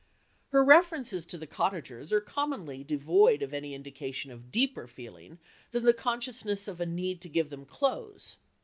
Her references to the cottagers are commonly devoid of any indication of deeper feeling than the consciousness of a need to give them clothes.